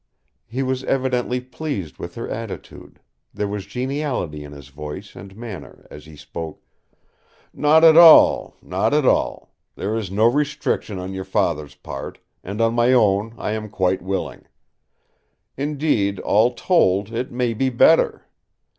He was evidently pleased with her attitude; there was geniality in his voice and manner as he spoke: "Not at all! Not at all! There is no restriction on your Father's part; and on my own I am quite willing. Indeed, all told, it may be better.